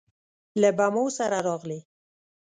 له بمو سره راغلې